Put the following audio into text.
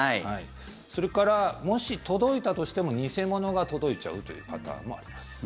それからもし、届いたとしても偽物が届いちゃうというパターンもあります。